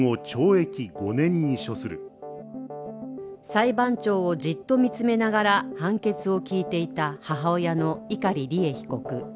裁判長をじっと見つめながら判決を聞いていた母親の碇利恵被告。